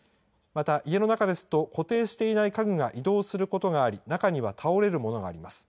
また、家の中ですと、固定していない家具が移動することがあり、中には倒れるものがあります。